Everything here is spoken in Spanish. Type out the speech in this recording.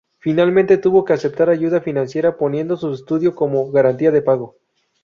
Finalmente tuvo que aceptar ayuda financiera poniendo su estudio como garantía de pago.